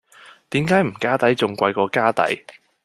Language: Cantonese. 點解唔加底仲貴過加底?